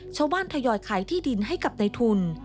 ทยอยขายที่ดินให้กับในทุน